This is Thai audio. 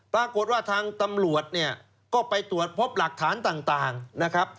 ปรากฏว่าทางตำรวจเนี่ยก็ไปตรวจพบหลักฐานต่างนะครับ